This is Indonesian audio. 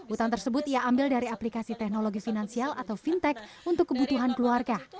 utang tersebut ia ambil dari aplikasi teknologi finansial atau fintech untuk kebutuhan keluarga